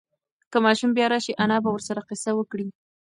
که ماشوم بیا راشي، انا به ورسره قصه وکړي.